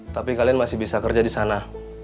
tapi kalian masih bisa kerja di sana